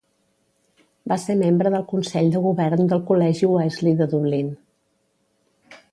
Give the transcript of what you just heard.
Va ser membre del Consell de Govern del Col·legi Wesley de Dublín.